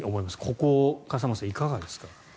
ここ、笠松さん、いかがですか？